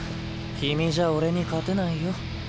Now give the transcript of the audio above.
君じゃ俺に勝てないよ。